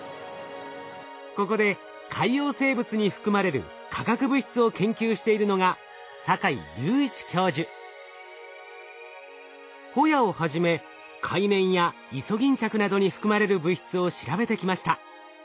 ここで海洋生物に含まれる化学物質を研究しているのがホヤをはじめカイメンやイソギンチャクなどに含まれる物質を調べてきました。